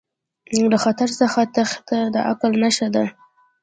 له خطر څخه تیښته د عقل نښه ده.